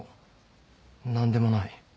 何でもない。